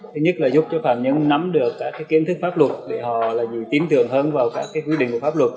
thứ nhất là giúp cho phạm nhân nắm được các kiến thức pháp luật để họ tin tưởng hơn vào các quy định của pháp luật